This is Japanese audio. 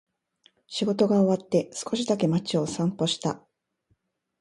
仕事が終わって、少しだけ街を散歩した。